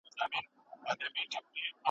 تاسو باید هره ورځ نوي تخنیکونه زده کړئ.